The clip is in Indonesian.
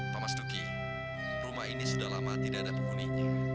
pak mas duki rumah ini sudah lama tidak ada penghuninya